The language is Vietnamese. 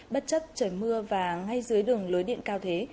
bất chấp trời mưa và ngay dưới đường lưới điện cao thế